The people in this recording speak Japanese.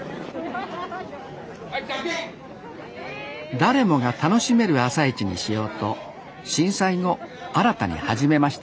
誰もが楽しめる朝市にしようと震災後新たに始めました